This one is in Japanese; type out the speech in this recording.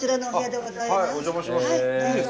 はいお邪魔します。